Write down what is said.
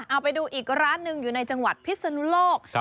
เอาไปดูอีกร้านนึงในจังหวัดพิษนุโลก